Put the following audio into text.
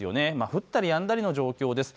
降ったりやんだりの状況です。